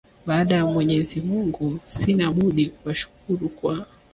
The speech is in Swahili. Baada ya Mwenyezi mungu sina budi kuwashukuru kwa